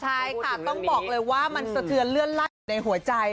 ใช่ค่ะต้องบอกเลยว่ามันสะเทือนเลื่อนลั่นอยู่ในหัวใจ